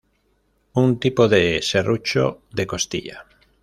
Un tipo de serrucho de costilla.